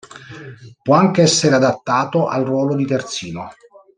Può anche essere adattato al ruolo di terzino.